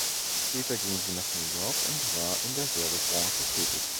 Später ging sie nach New York und war in der Werbebranche tätig.